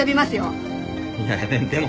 いやでも。